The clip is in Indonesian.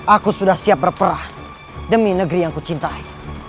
aku sudah siap berperah demi negeri yang ku cintai